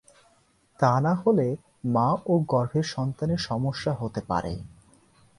তা না হলে মা ও গর্ভের সন্তানের সমস্যা হতে পারে।